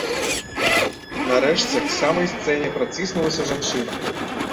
Нарэшце к самай сцэне праціснулася жанчына.